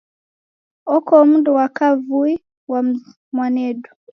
Okoo mndu wa kaavui wa mwanedu.